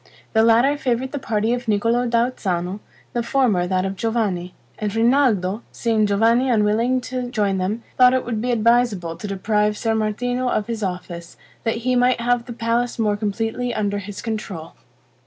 The latter favored the party of Niccolo da Uzzano, the former that of Giovanni; and Rinaldo, seeing Giovanni unwilling to join them, thought it would be advisable to deprive Ser Martino of his office, that he might have the palace more completely under his control.